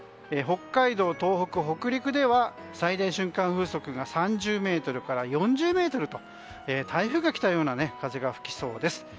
北海道、東北、北陸では最大瞬間風速が３０メートルから４０メートルと台風が来たような風が吹きそうです。